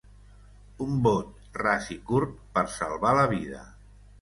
Un vot, ras i curt, per salvar la vida.